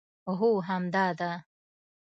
هو همدا ده